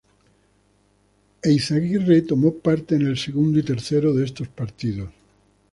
Eizaguirre tomó parte en el segundo y tercero de estos partidos.